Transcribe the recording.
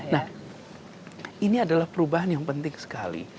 nah ini adalah perubahan yang penting sekali